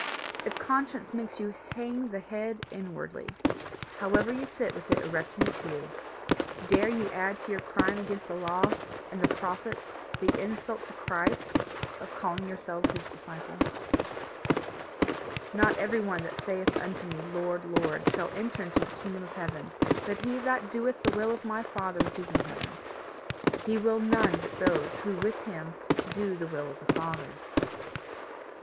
If conscience makes you hang the head inwardly, however you sit with it erect in the pew, dare you add to your crime against the law and the prophets the insult to Christ of calling yourselves his disciples? "Not every one that saith unto me, Lord, Lord, shall enter into the kingdom of heaven, but he that doeth the will of my Father which is in heaven. He will none but those who with him do the will of the Father."